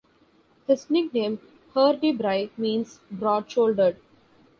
His nickname, "Herdebrei", means broad-shouldered.